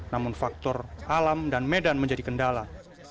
namun faktor alam dan medan menjadi kendala